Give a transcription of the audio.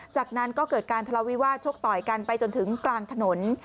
จากนั้นก็เกิดการทะเลาวิวาสชกต่อยกันไปจนถึงกลางถนน